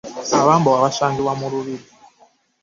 Abambowa basangibwa mu lubiri.